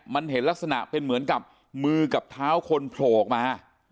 มันเห็นลักษณะเป็นเหมือนกับมือกับเท้าคนโผล่ออกมา